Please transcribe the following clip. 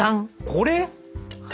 これ？